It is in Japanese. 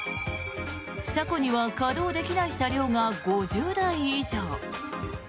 車庫には稼働できない車両が５０台以上。